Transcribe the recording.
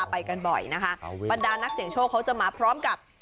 ผัดดานักเสียงโชคเขาจะมาพร้อมกับ